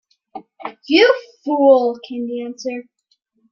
"You fool," came the answer.